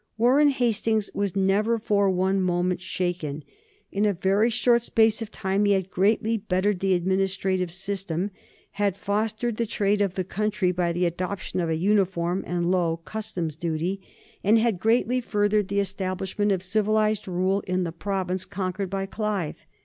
Warren Hastings was never for one moment shaken. In a very short space of time he had greatly bettered the administrative system, had fostered the trade of the country by the adoption of a uniform and low Customs duty, and had greatly furthered the establishment of civilized rule in the province conquered by Clive.